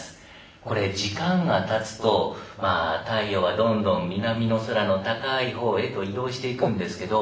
これ時間がたつとまあ太陽はどんどん南の空の高い方へと移動していくんですけど。